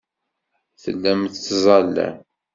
Tellam tettẓallam.